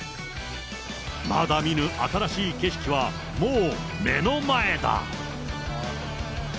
まだ見ぬ新しい景色は、もう目の前だ。